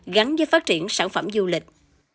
gắn với phát triển sản phẩm du lịch